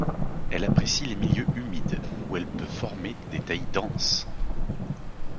Elle apprécie les milieux humides, où elle peut former des taillis denses.